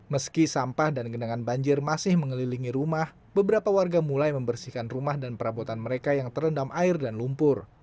meski sampah dan genangan banjir masih mengelilingi rumah beberapa warga mulai membersihkan rumah dan perabotan mereka yang terendam air dan lumpur